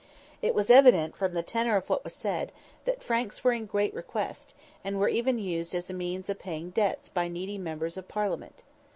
It was evident, from the tenor of what was said, that franks were in great request, and were even used as a means of paying debts by needy members of Parliament.